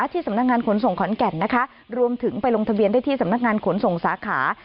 ที่สำนักงานขนส่งขอนแก่นนะคะรวมถึงไปลงทะเบียนได้ที่สำนักงานขนส่งสาขา